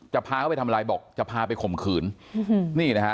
พาเขาไปทำอะไรบอกจะพาไปข่มขืนนี่นะฮะ